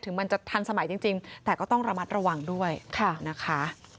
มันจะทันสมัยจริงแต่ก็ต้องระมัดระวังด้วยนะคะ